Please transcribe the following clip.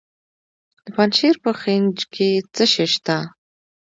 د پنجشیر په خینج کې څه شی شته؟